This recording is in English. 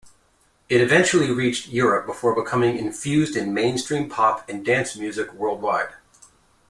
It eventually reached Europe before becoming infused in mainstream pop and dance music worldwide.